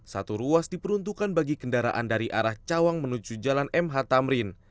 satu ruas diperuntukkan bagi kendaraan dari arah cawang menuju jalan mh tamrin